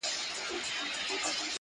تا کاسه خپله وهلې ده په لته-